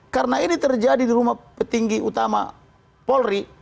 karena ini terjadi di rumah petinggi utama polri